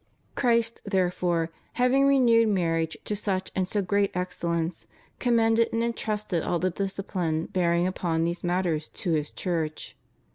Christ, therefore,. having renewed marriage to such and so great excellence, commended and entrusted all the dis cipline bearing upon these matters to his Church.